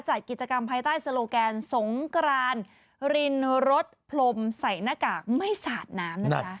จัดกิจกรรมภายใต้โซโลแกนสงกรานรินรถพรมใส่หน้ากากไม่สาดน้ำนะจ๊ะ